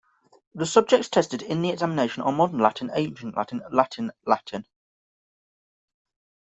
The subjects tested in the examination are modern latin, ancient latin, latin latin.